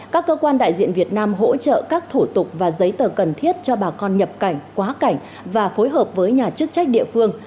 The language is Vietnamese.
các cơ quan đại diện việt nam hỗ trợ các thủ tục và giấy tờ cần thiết cho bà con nhập cảnh quá cảnh và phối hợp với nhà chức trách địa phương